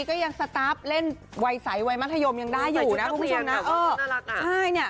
ตอนนี้ก็ยังสตาร์ฟเล่นวัยสายวัยมัธยมยังได้อยู่นะคุณผู้ชม